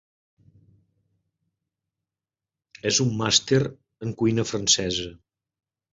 És un màster en cuina francesa.